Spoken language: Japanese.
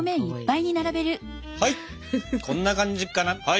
はいこんな感じかな。